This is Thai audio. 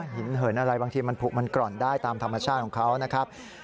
หินเหินอะไรบางทีมันผูกมันกร่อนได้ตามธรรมชาติของเขานะครับ